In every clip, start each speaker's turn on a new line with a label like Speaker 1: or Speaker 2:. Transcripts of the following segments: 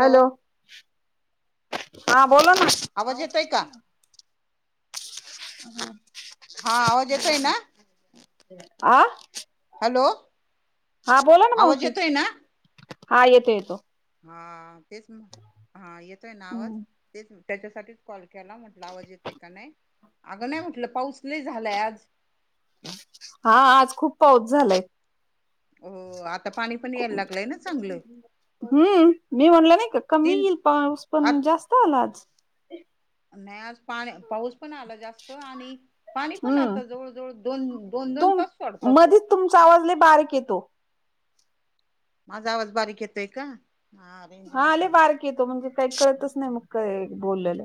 Speaker 1: Hello हा. बोला ना.
Speaker 2: आवाज येतोय का
Speaker 1: रिकामा ऑडिओ
Speaker 2: हा आवाज येतोय ना
Speaker 1: आ..
Speaker 2: हॅलो
Speaker 1: हा बोला ना
Speaker 2: आवाज
Speaker 1: मावशी
Speaker 2: येतोय ना
Speaker 1: हा येतो येतो.
Speaker 2: हा तेच हा येतोय ना आवाज येतों. त्याच्यासाठीच कॉल केला म्हटलं आवाज येते का नाही. अगं नाही म्हटलं पाऊस ल झालंय आज.
Speaker 1: हा आज खूप पाऊस झालाय.
Speaker 2: हो आता पाणी पण यायला लागलंय ना. चांगलं
Speaker 1: हम्म मी म्हणलं नाही का कमी
Speaker 2: तीन
Speaker 1: येईल पाऊस
Speaker 2: आ
Speaker 1: पण जास्त आला आज. रिकामा ऑडिओ
Speaker 2: नाही आज पा पाऊस पण आला जास्त आणि पाणी पण
Speaker 1: हम्म
Speaker 2: आता जवळ जवळ दोन दोन दोन
Speaker 1: तुम
Speaker 2: तसं पडता तो.
Speaker 1: मधीच तुमचा आवाज लई बारीक येतों.
Speaker 2: माझा आवाज बारीक येतोय का? हा रेंज
Speaker 1: हा आले
Speaker 2: नसेल
Speaker 1: बारकी येतो म्हणजे काही कळतच नाही मग का बोललेलं.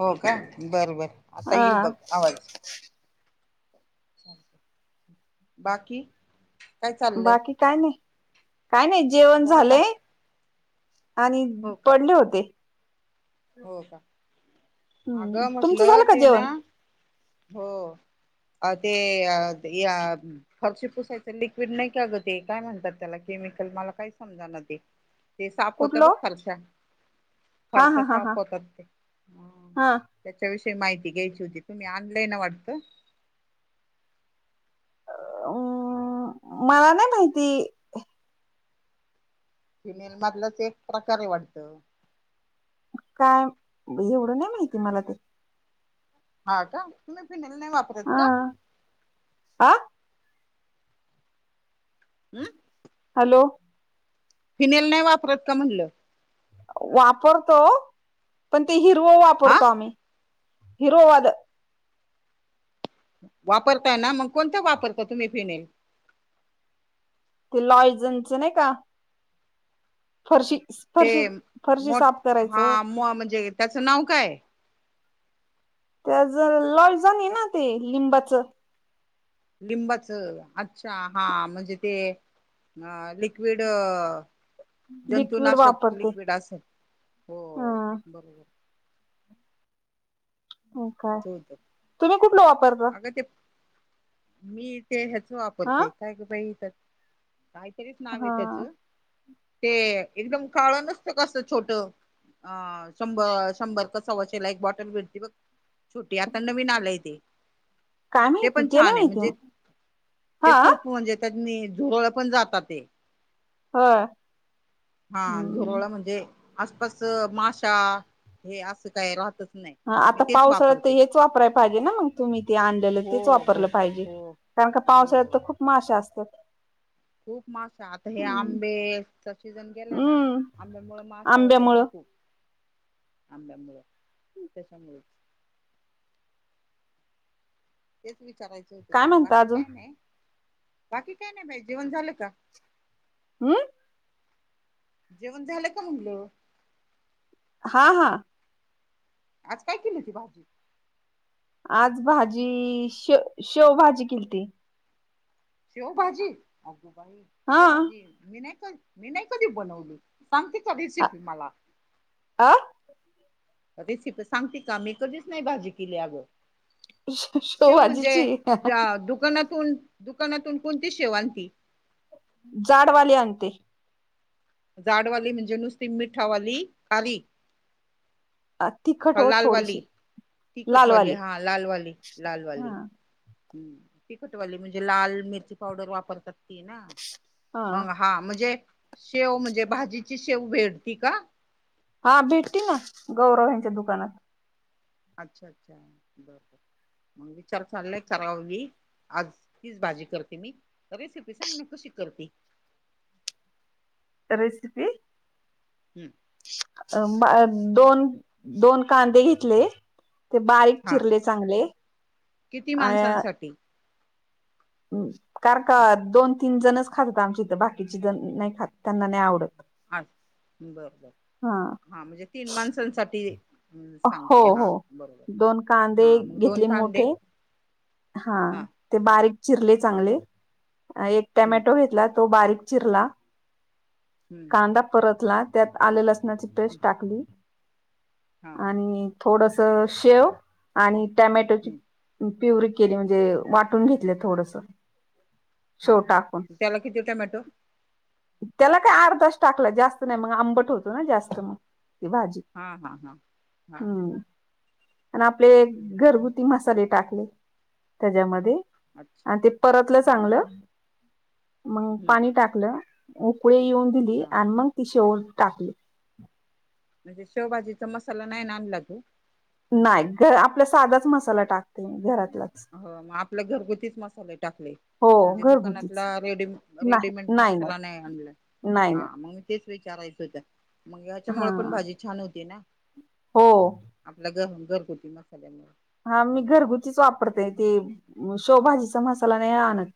Speaker 2: हो का बरं बर आता येईल
Speaker 1: हा
Speaker 2: बघ आवाज. बाकी. काय चाललंय
Speaker 1: बाकी काय नाही. काय नाही जेवण
Speaker 2: झाली का?
Speaker 1: झालंय.. आणि
Speaker 2: हो का.
Speaker 1: पडले होते.
Speaker 2: हो का
Speaker 1: हम्म
Speaker 2: अगं
Speaker 1: तुमचं
Speaker 2: म्हटलं
Speaker 1: झालं का
Speaker 2: ते ना
Speaker 1: जेवण
Speaker 2: हो. अ ते फरशी पुसायचं लिक्विड नाही का अगं ते काय म्हणतात त्याला कि मिकल मला काही समजा ते ते साफ होत बघ
Speaker 1: कुठलं
Speaker 2: फारशा.
Speaker 1: हा हा
Speaker 2: फारसा
Speaker 1: हा हा
Speaker 2: साफ होतात ते
Speaker 1: हा
Speaker 2: त्याच्या विषय माहिती घ्यायची होती तुम्ही ऑनलाईन वाटत
Speaker 1: अम् मला नाही माहिती
Speaker 2: फिमिल मधलंच एक प्रकार वाटत
Speaker 1: काय एवढं नाही माहिती मला ते
Speaker 2: हा का तुम्ही फिनल नाही वापरत
Speaker 1: हा
Speaker 2: का
Speaker 1: हा
Speaker 2: हम्म
Speaker 1: हॅलो
Speaker 2: फिनेल नाही वापरत का म्हणलं
Speaker 1: वापरतो पण ते हिरव
Speaker 2: हा
Speaker 1: वापरतो आम्ही हिरोवाद
Speaker 2: वापरताय ना मग कोणतं वापरता तुम्ही फिनेल
Speaker 1: ते लॉयजनच नाही का फरशी
Speaker 2: ते
Speaker 1: फरशी फरशी
Speaker 2: मो
Speaker 1: साफ
Speaker 2: हा
Speaker 1: करायचं
Speaker 2: मु म्हणजे त्याचं नाव काय
Speaker 1: त्या ज लॉलजण आहे ना ते लिंबाचं
Speaker 2: लिंबाच अच्छा हा म्हणजे ते ह लिक्विड
Speaker 1: लिक्विड
Speaker 2: जंतुनाशक
Speaker 1: वापरते
Speaker 2: लिक्विड अस हो
Speaker 1: ह
Speaker 2: बरोबर
Speaker 1: हो काय
Speaker 2: ते होत
Speaker 1: तुम्ही कुठला वापरता
Speaker 2: अगं ते मी ते ह्याच
Speaker 1: हा
Speaker 2: वापरते काय का बाई काय बरीच नाव आहे
Speaker 1: हा
Speaker 2: त्याच ते एकदम काळ नसत कस छोट अ शंभर शंभर कसवाशेला एक बॉटल भटते बघ छोटी आता नवीन आलाय ते
Speaker 1: काय
Speaker 2: ते
Speaker 1: माहिती
Speaker 2: पण छान
Speaker 1: नाही
Speaker 2: आहे म्हणजे
Speaker 1: माहिती
Speaker 2: ते
Speaker 1: हा
Speaker 2: खूप म्हणजे त्या झुरळ पण जातात ते
Speaker 1: होय
Speaker 2: हा
Speaker 1: हम्म
Speaker 2: झुरळ म्हणजे आसपास माशा हे असं काय राहतच नाही
Speaker 1: ह
Speaker 2: मी
Speaker 1: आता
Speaker 2: तेच
Speaker 1: पावसाळा तर
Speaker 2: वापरते
Speaker 1: हेच वापरायला पाहिजे ना मग तुम्ही ते आणलेलं
Speaker 2: हो
Speaker 1: तेच
Speaker 2: हो
Speaker 1: वापरलं पाहिजे
Speaker 2: हो
Speaker 1: कारण का पावसाळ्यात
Speaker 2: हो
Speaker 1: तर खूप माश असतात
Speaker 2: खूप माशा आता हे आंबेचा सीझन गेला ना
Speaker 1: हम्म
Speaker 2: आंब्यामुळे माशा होतात ना
Speaker 1: आंब्यामुळं
Speaker 2: खूप आंब्यामुळें त्याशमुळेच विचारायचं होतं
Speaker 1: काय
Speaker 2: तुला
Speaker 1: म्हणता
Speaker 2: बाकी
Speaker 1: अजून
Speaker 2: काय नाही बाकी काय नाही बाई जेवण झालं का
Speaker 1: हमम
Speaker 2: जेवण झालं का म्हणलं
Speaker 1: हा हा
Speaker 2: आज काय केली ती भाजी
Speaker 1: आज भाजी शेव शेवभजी केलीती
Speaker 2: शेवबाजी अगगोबाई
Speaker 1: हा
Speaker 2: शेवबाजी मी नाही मी नाही कधी बनवली सांगते का रेसिपी मला
Speaker 1: आं
Speaker 2: रेसिपी सांगते का मी कधीच नाही भाजी केली अगं शेव म्हणजे
Speaker 1: शेवभाजीची
Speaker 2: दुकानात ण दुकानातून कोणती शेव आणती
Speaker 1: जाडवाले आणंते
Speaker 2: जाडवाली म्हणजे नुसती मिठावाली खाली
Speaker 1: अ तिखट होत थोडीशी
Speaker 2: तिकटवाली
Speaker 1: लालवाली
Speaker 2: हा लाल वाली लाल
Speaker 1: हा
Speaker 2: वाली ह तिकटवाली म्हणजे लाल मिरची पावडर वापरतात ना हा म्हणजे शेव म्हणजे भाजीची शेव भेट ती का
Speaker 1: हा भेटते ना गौरव यांच्या दुकानात
Speaker 2: अच्छा अच्छा बरोबर मग विचार चाललाय चारवी आज तीच भाजी करते मी तर रेसिपी सांग ना कशी करते
Speaker 1: रेसिपी
Speaker 2: हम्म
Speaker 1: दोन दोन कांदे घेतले ते बारीक
Speaker 2: हा
Speaker 1: चिरले चांगले
Speaker 2: किती माणसांसाठी
Speaker 1: कार का दोन तीन जणच खातात आमच्या इथं बाकीचे जण नाही खात त्यांना नाही आवडत
Speaker 2: ह बरोबर हा म्हणजे तीन माणसांसाठी हम्म
Speaker 1: हो
Speaker 2: सांगते हा
Speaker 1: हो
Speaker 2: बरोबर
Speaker 1: दोन कांदे
Speaker 2: हा मग दोन
Speaker 1: घेतले
Speaker 2: कांदे
Speaker 1: मोठे हा ते बारीक चिरले चांगले एक
Speaker 2: हम्म
Speaker 1: टोमॅटो घेतला तो बारीक चिरला
Speaker 2: हम्म
Speaker 1: कांदा परतला त्यात आलेला नाची
Speaker 2: हम्म,
Speaker 1: पेस्ट टाकली
Speaker 2: हा
Speaker 1: आणि थोडस शेव आणि टमॅटोची
Speaker 2: हम्म
Speaker 1: प्यूरी केली म्हणजे वाटून घेतले थोडस
Speaker 2: हा
Speaker 1: शेव टाकून
Speaker 2: त्याला किती टमॅटो
Speaker 1: त्याला काही अर्धास टाकलं जास्त नाही मग आंबट होतो ना जास्त मग भाजी
Speaker 2: हम् हम् हम हम हम
Speaker 1: हम्म आणि आपले घरगुती मसाले टाकले त्याच्यामध्ये
Speaker 2: अच्छा
Speaker 1: आणि ते परतलं
Speaker 2: हा
Speaker 1: चांगलं मग
Speaker 2: हम्म
Speaker 1: पाणी टाकलं उकळे येऊन दिली
Speaker 2: हा
Speaker 1: आणि मग ती शेवल टाकली
Speaker 2: म्हणजे शेवभाजीचा मसाला नाही नालागू
Speaker 1: नाही घ आपल्या साधाच मसाला टाकते घरात
Speaker 2: ह मग आपल्या घरगुतीच मसाले टाकले
Speaker 1: हो
Speaker 2: म्हणजे दुकानातला
Speaker 1: घरगुतीच
Speaker 2: रेडी रेडीमेड मसाला नाही आणला
Speaker 1: नाही
Speaker 2: हा
Speaker 1: नाही
Speaker 2: मग म तेच विचारायच होत मग याच्यामुळे पण
Speaker 1: हा
Speaker 2: भाजी छान होती ना
Speaker 1: हो
Speaker 2: आपल्या घ घरगुती मसाल्यामुळे
Speaker 1: हा मी
Speaker 2: बर
Speaker 1: घरगुतीच वापरतेय ते शवभाजीचा मसाला नाही आणत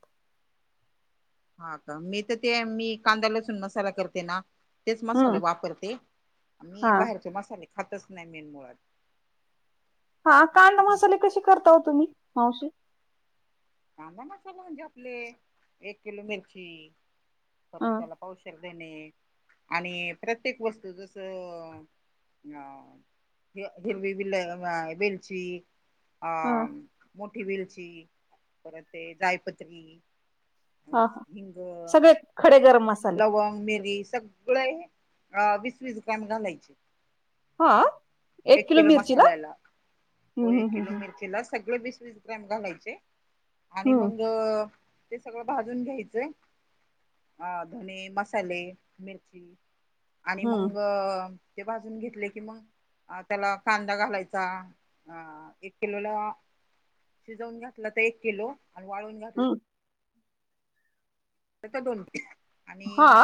Speaker 2: हा का मी तर ते मी कांदा्या लसून मसाला करते ना तेच
Speaker 1: हम्म
Speaker 2: मसाले वापरते आ मी
Speaker 1: हा
Speaker 2: बाहेरचे मसाले खातच नाही मेन मुळात
Speaker 1: हा कांड मसाले कसे करताह तुम्ही मावशी
Speaker 2: मसाला म्हणजे आपले एक किलो मिरची खरं
Speaker 1: हा
Speaker 2: त्याला पाऊश णे आणि प्रत्येक वस्तू जसं हा हि हिरवी बिल वेलची अ
Speaker 1: हा
Speaker 2: मोठी विलची परत ते जायपत्री
Speaker 1: हा हा
Speaker 2: हिंग
Speaker 1: सगळे खडे गरम मसाले
Speaker 2: लवंग मरीच सगळे अ वीस वीसुकान घालायचे
Speaker 1: हा
Speaker 2: एक किलो मसाल्याला हो एक
Speaker 1: हम्म
Speaker 2: किलो
Speaker 1: हम्म
Speaker 2: मिरचीला सगळ ब स्स ग्रॅम घालायचे आणि
Speaker 1: हम्म
Speaker 2: मग ते सगळं भाजून घ्यायचं अ धने मसाले मिरची आणि
Speaker 1: हम्म हम्म
Speaker 2: मग ते भाजून घेतले की मग त्याला कांदा घालायचा अ एक किलोला शिजवून घातलं तर एक किलो आणि वाळून घातलं
Speaker 1: हम्म
Speaker 2: त्याचा दोन
Speaker 1: हा
Speaker 2: आणि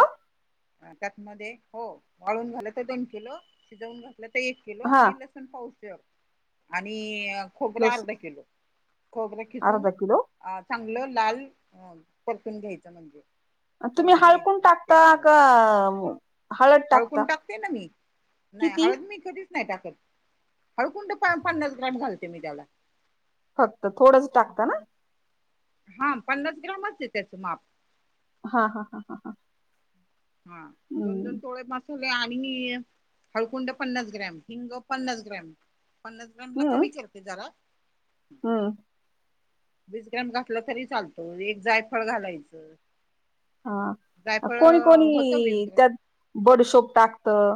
Speaker 2: त्यात म हो वाळून घालं तर देणखल शिजवून घा आप तर एक किलो
Speaker 1: हा
Speaker 2: आणि लसण पावच आणि खोबरं
Speaker 1: लस
Speaker 2: अर्धा किलो खोबरं खिचून
Speaker 1: अर्धा किलो
Speaker 2: अ चांगलं लाल अ परतून घ्यायचं म्हणजे
Speaker 1: तुम्ही
Speaker 2: तळून घ्यायचं
Speaker 1: हळकून टाकता
Speaker 2: तेलामध्ये
Speaker 1: का हळद टाकता
Speaker 2: हळकुंड टाकते ना मी नाही
Speaker 1: किती
Speaker 2: हळद मी कधी नाही टाकत हळकुं पन्नास ग्राम घालते मी त्याला
Speaker 1: फक्त थोडंच टाकता ना
Speaker 2: हा पन्नास ग्रामच य त्याचं माप
Speaker 1: हा हा हा हा हा
Speaker 2: हा दोन दोन
Speaker 1: हम्म
Speaker 2: टोळे मस् आणि हळकुंड पन्नास ग्रॅम हिंग पन्नास ग्रॅम पन्नास ग्रामला कमी करते जरा
Speaker 1: हम्
Speaker 2: विीजक्रम घातला तरी चालतो एक जायफळ घालायचं
Speaker 1: हा
Speaker 2: जायफळ
Speaker 1: कोणी
Speaker 2: होतं वीस
Speaker 1: कोणी
Speaker 2: ग्रॅम
Speaker 1: त्यात बडशोक टाक तर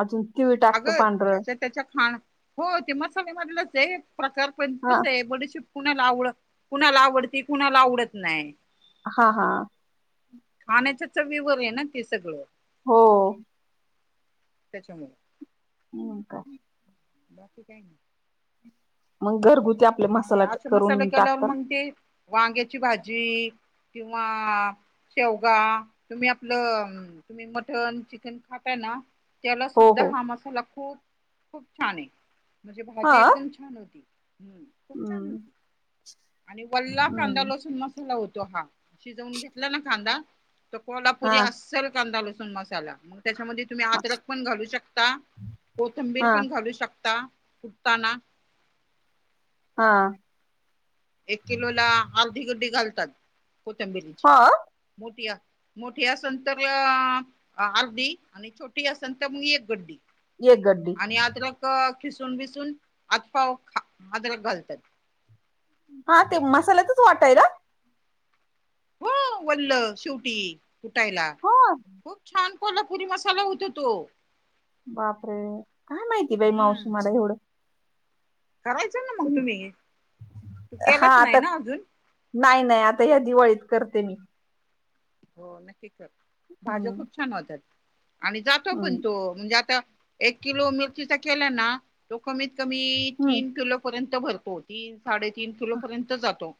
Speaker 1: अजून तिळ टाकतं
Speaker 2: अगं
Speaker 1: पांढरं
Speaker 2: ज्याच्या त्याच्या खाण हो ते म म म्हलं प्रकार पण
Speaker 1: हा
Speaker 2: कस आहे बडशूप कुणाला आवड कुणाला आवडती कुणाला आवडत नाही
Speaker 1: हा हा
Speaker 2: खाण्याच्या चवीवरर आहे ना ते सगळं
Speaker 1: हो
Speaker 2: त्याच्यामुळे
Speaker 1: हम का
Speaker 2: बाकी काय ना
Speaker 1: मग घरगुती आपले मसाला
Speaker 2: असा मसाला
Speaker 1: करून
Speaker 2: केल्यावर
Speaker 1: टाकता
Speaker 2: मग ते वांग्याची भाजी किंवा शेवगा तुम्ही आपलं तुम्ही मटन चिकन खाताय ना त्याला
Speaker 1: हो
Speaker 2: सुद्धा
Speaker 1: हो
Speaker 2: हा मसाला खूप खूप छान आहे म्हणजे
Speaker 1: हा
Speaker 2: भाजी एकदम छान होती हम्म खूप छान
Speaker 1: हम्म
Speaker 2: होती आणि वल्ला कांदा लसण मसाला होता तो हा शिजवून घेतला ना कांदा तर
Speaker 1: हा
Speaker 2: कोल्हापुरी अस्सल कांदा लसूण मसालाग त्याच्यामध्ये तुम्ही आदरक पण घालू शकता कोथंबीर
Speaker 1: हा
Speaker 2: पण घालू शकता सुताना
Speaker 1: हा
Speaker 2: एक किलो ला अर्धी गडडी घालतात कोथंबिरीची
Speaker 1: हा
Speaker 2: मोठी मोठी असेल तर अर्डी आणि छोटी असेल तर मग एक गड्डी
Speaker 1: एक गड्डी
Speaker 2: आणि आता लक खिसून बिसून आतफाव अदरक घालतात
Speaker 1: हा ते मसाल्यातच वाटाय रा
Speaker 2: हो वल्ल शेवटी उुठायला
Speaker 1: हा
Speaker 2: खूप छान कोणा पुरी मसाला होतो तो
Speaker 1: बापरे काय माहिती बाई मावशी
Speaker 2: हम्म
Speaker 1: मला एवढं
Speaker 2: करायचं ना मग तुम्ही तू
Speaker 1: हा
Speaker 2: केलाच नाही
Speaker 1: आता
Speaker 2: ना अजून
Speaker 1: नाही नाही आता ह दिवळीत करते मी
Speaker 2: हो नक्की कर भाज्या
Speaker 1: हम्म
Speaker 2: खूप छान होतात आणि जातो पण
Speaker 1: हम्म
Speaker 2: तो म्हणजे आता एक किलो मिरचीचा केला ना तो कमीत क मी
Speaker 1: हम्म
Speaker 2: तीन किलोपर्यंत भरतो तीन साडेतीीन किलो पर्यंत जातो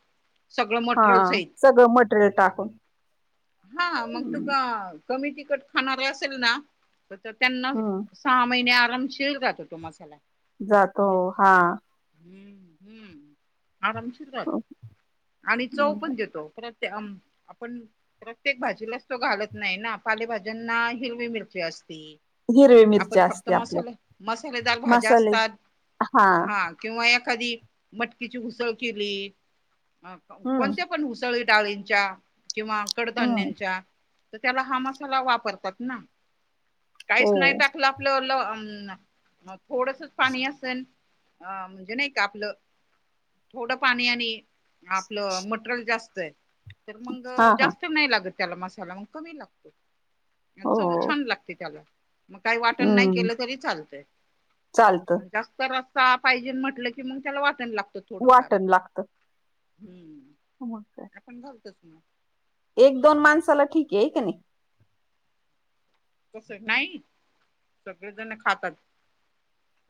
Speaker 2: सगळं
Speaker 1: हा
Speaker 2: मटेरियल सहित
Speaker 1: सगळं मटेरियल टाकून
Speaker 2: हा मग तु
Speaker 1: हम्म
Speaker 2: का कमी तिकट खाणार असेल ना तर त्यांना
Speaker 1: हम्म
Speaker 2: सहा महिने आरामशील राातो तु मासा्याला
Speaker 1: जातो हा
Speaker 2: ह् हम् आरामशीर राहतो आणि चव पण देतो परत आपण प्रत्येक भाजीलाच तो घालत नाही ना पालेभाज्यांना हिरवी मिरची असते
Speaker 1: हिरवी
Speaker 2: आपण
Speaker 1: मिरच्या
Speaker 2: फक्त
Speaker 1: असते आपल्या
Speaker 2: मसाला मसालेदल भाज्या
Speaker 1: मसाले
Speaker 2: असतात हा किंवा एक एखादी मटकीचीसळ केली
Speaker 1: हम्म
Speaker 2: कोणते पणस डाळींच्या किंवा
Speaker 1: हम्म
Speaker 2: कडधान्यांच्या तर त्याला हा मसाला वापरतात ना काहीच नाही
Speaker 1: हो
Speaker 2: टाकलं आपलं ल मग थोडस पाणी असेल अं म्हणजे नाही का आपलं थोडं पाणी आणि आपलं मटेरियल जास्त आहे तर मग
Speaker 1: हा हा
Speaker 2: जास्त नाही लागत अग त्याला मसाला म कमी लागतो
Speaker 1: हो
Speaker 2: चव छान लागते त्याला मग काही वाटण नाही
Speaker 1: हम्म
Speaker 2: केलं तरी चालत
Speaker 1: चालतं
Speaker 2: जास्त रा पाहिजे म्हटलं की मग त्याला वाटय लागत
Speaker 1: वाटण लागत
Speaker 2: हम्म
Speaker 1: हो का
Speaker 2: तस
Speaker 1: एक दोन माणसाला ठीक आहे का नाही
Speaker 2: कस नाही सगळे जण खातात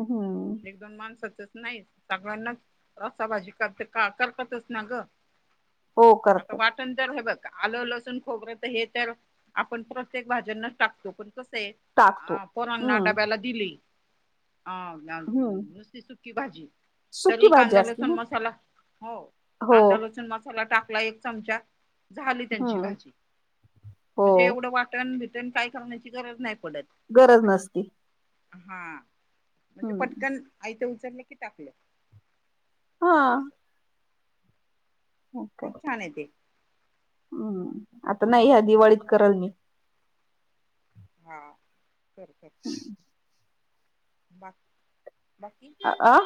Speaker 1: हम्म
Speaker 2: एक दोन माणसात नाही सगळ्यांनाच रसाभजी करते का करकतच ना ग
Speaker 1: हो
Speaker 2: आता
Speaker 1: करतात
Speaker 2: वाटण तर ह बघ आलं लसूण खोबरं तर हे तर आपण प्रत्येक भाज्यांना टाकतो पण
Speaker 1: टाकतो
Speaker 2: पोरांना
Speaker 1: हम्म
Speaker 2: डब्याला दिली हा ला
Speaker 1: हम्म
Speaker 2: नुस्ती सुकी भाजी
Speaker 1: सुकी
Speaker 2: तरी
Speaker 1: भाजी
Speaker 2: कांदा
Speaker 1: असते
Speaker 2: लसुन
Speaker 1: ना
Speaker 2: मसाला हो
Speaker 1: हो
Speaker 2: कांदा लचून मसाला टाक एक चमचा झाली त्यांची
Speaker 1: हम्म
Speaker 2: भाजी
Speaker 1: हो
Speaker 2: म्हणजे एवढ वाटण भ काय करण्याची गरज नाही पडत
Speaker 1: गरज नसती
Speaker 2: हा म्हणजे
Speaker 1: हम्म
Speaker 2: पटकन आयत उचललं की टाकलं
Speaker 1: हा
Speaker 2: असं
Speaker 1: ओके
Speaker 2: खूप छान आहे ते
Speaker 1: हम्म आता नाही ह्या दिवाळीत कराल मी
Speaker 2: हा फर फर ब
Speaker 1: अ अह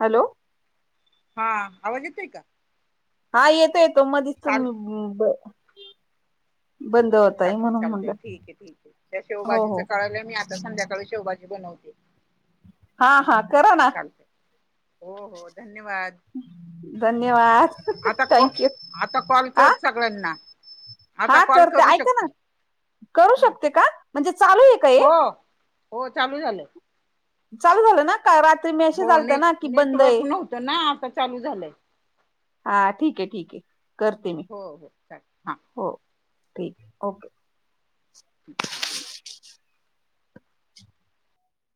Speaker 1: हॅलो
Speaker 2: हा आवाज येतय का
Speaker 1: हा येतो येतो मधच
Speaker 2: चाल
Speaker 1: तुम्ही बंद
Speaker 2: हो
Speaker 1: होताय
Speaker 2: चालते
Speaker 1: म्हणून
Speaker 2: चालते
Speaker 1: म्हणलं
Speaker 2: ठीक आहे ठीके त्या
Speaker 1: हो
Speaker 2: शेवभजीचं
Speaker 1: हो
Speaker 2: कळलंय मी आता संध्याकाळी शेवाजी बनवते
Speaker 1: हा हा करा ना
Speaker 2: चालते हो हो धन
Speaker 1: धन्यवाद
Speaker 2: आता
Speaker 1: थँक्यू
Speaker 2: आता कॉल
Speaker 1: आ
Speaker 2: कर सगळ्यांना आता
Speaker 1: हा
Speaker 2: कॉल
Speaker 1: करते
Speaker 2: करू
Speaker 1: ऐका ना
Speaker 2: शकते
Speaker 1: करू शकते का म्हणजे चालू आहे का हे
Speaker 2: हो हो चालू झाले
Speaker 1: चालू झालं ना का रात्री मी अे चालत
Speaker 2: नेट
Speaker 1: ना की बंद आहे
Speaker 2: नेटवर्क नव्हतं ना आता चालू झालंय
Speaker 1: हा ठीक आहे ठीक आहे करते मी
Speaker 2: हो हो चालेल हां
Speaker 1: हो ठीक ओके
Speaker 2: हम्